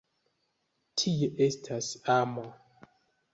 Tie estas amo!